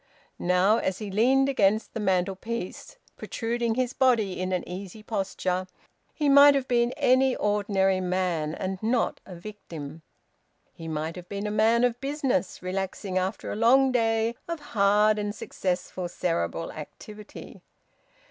Now, as he leaned against the mantelpiece, protruding his body in an easy posture, he might have been any ordinary man, and not a victim; he might have been a man of business relaxing after a long day of hard and successful cerebral activity.